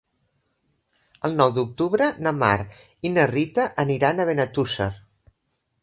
El nou d'octubre na Mar i na Rita aniran a Benetússer.